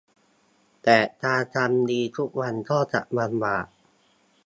แต่การทำดีทุกวันก็จะลำบาก